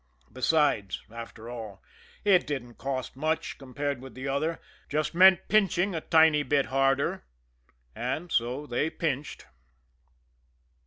Besides, after all, it didn't cost much compared with the other, just meant pinching a tiny bit harder and so they pinched.